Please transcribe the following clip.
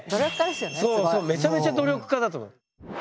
そうそうめちゃめちゃ努力家だと思う。